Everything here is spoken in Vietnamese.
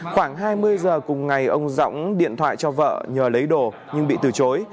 khoảng hai mươi h cùng ngày ông rõng điện thoại cho vợ nhờ lấy đồ nhưng bị từ chối